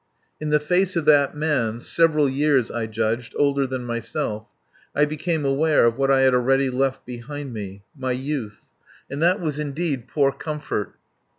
In the face of that man, several years, I judged, older than myself, I became aware of what I had left already behind me my youth. And that was indeed poor comfort.